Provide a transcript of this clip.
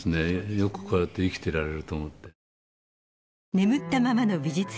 よくこうやって生きていられると思って。